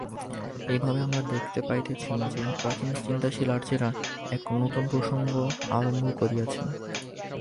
এইভাবে আমরা দেখিতে পাইতেছি যে, প্রাচীন চিন্তাশীল আর্যেরা এক নূতন প্রসঙ্গ আরম্ভ করিয়াছেন।